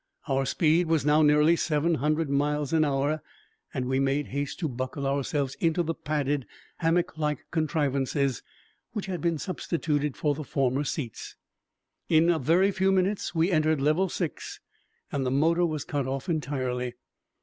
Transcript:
Our speed was now nearly seven hundred miles an hour and we made haste to buckle ourselves into the padded, hammocklike contrivances which had been substituted for the former seats. In a very few minutes we entered level six and the motor was cut off entirely.